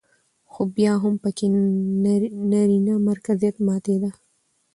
خو بيا هم پکې نرينه مرکزيت ماتېده